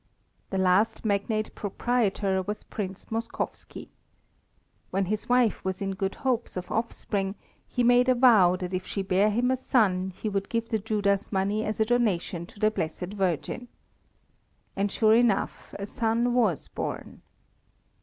The last magnate proprietor was Prince Moskowski. When his wife was in good hopes of offspring he made a vow that if she bare him a son he would give the Judas money as a donation to the Blessed Virgin. And sure enough a son was born.